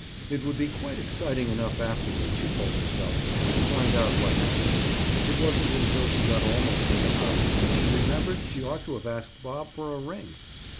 It would be quite exciting enough afterward, she told herself, to find out what happened. It wasn't until she got almost to the house, that she remembered she ought to have asked Bob for a ring.